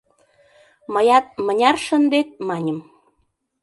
Мыят «мыняр шындет?» маньым.